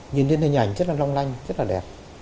nhìn đến hình ảnh rất là long lanh rất là đẹp